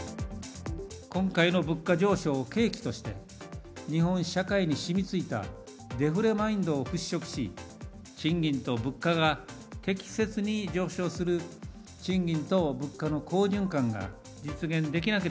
今回の物価上昇を契機として、日本社会に染みついたデフレマインドを払拭し、賃金と物価が適切に上昇する賃金と物価の好循環が実現できなけれ